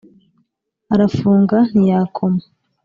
Arafunga ntiyakoma